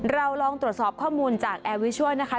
เราลองตรวจสอบข้อมูลจากแอร์วิชัวร์นะคะ